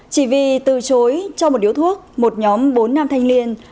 chỉ vì từ chối cho một điếu thuốc một nhóm bốn nam thanh niên